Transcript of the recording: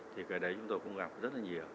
thì cái đấy chúng tôi cũng gặp rất là nhiều